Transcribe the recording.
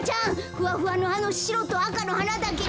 ふわふわのあのしろとあかのはなだけど。